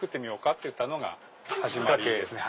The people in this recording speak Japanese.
っていったのが始まりですね。